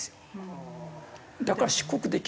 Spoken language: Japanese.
だから出国できなくなる。